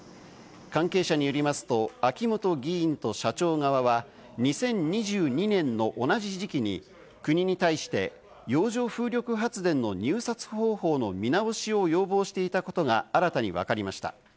関係者によりますと、秋本議員と社長側は２０２２年の同じ時期に国に対して、洋上風力発電の入札方法の見直しを要望していたことが新たにわかりました。